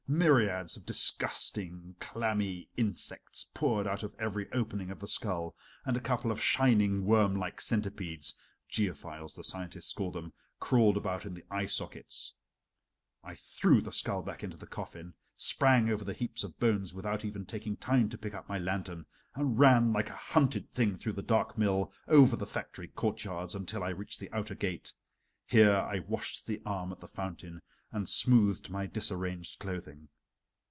Myriads of disgusting clammy insects poured out of every opening of the skull, and a couple of shining, wormlike centipedes Geophiles, the scientists call them crawled about in the eye sockets. I threw the skull back into the coffin, sprang over the heaps of bones without even taking time to pick up my lantern, and ran like a hunted thing through the dark mill, over the factory courtyards, until I reached the outer gate. Here I washed the arm at the fountain, and smoothed my disarranged clothing.